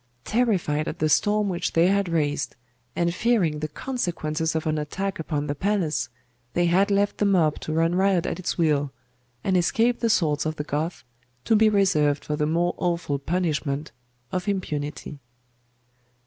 Terrified at the storm which they had raised, and fearing the consequences of an attack upon the palace, they had left the mob to run riot at its will; and escaped the swords of the Goths to be reserved for the more awful punishment of impunity.